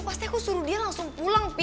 pasti aku suruh dia langsung pulang